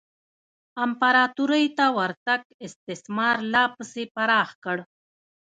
امپراتورۍ ته ورتګ استثمار لا پسې پراخ کړ.